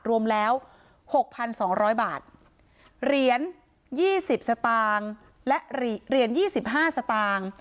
รวมแล้วหกพันสองร้อยบาทเหรียญยี่สิบสตางค์และเหรียญยี่สิบห้าสตางค์